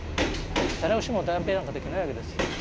誰しも代弁なんかできないわけですよ。